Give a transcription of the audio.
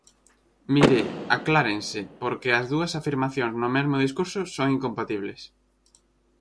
Mire, aclárense, porque as dúas afirmacións no mesmo discurso son incompatibles.